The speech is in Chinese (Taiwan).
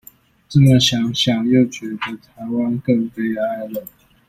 這麼想想又覺得台灣更悲哀了